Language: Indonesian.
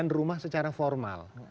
penyediaan rumah secara formal